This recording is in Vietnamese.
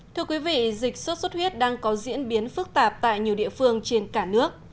thưa quý vị dịch sốt xuất huyết đang có diễn biến phức tạp tại nhiều địa phương trên cả nước